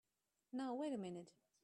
Now wait a minute!